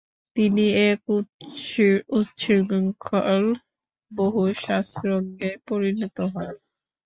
তিনি এক উচ্ছৃঙ্খল বহুশাস্ত্রজ্ঞে পরিণত হন।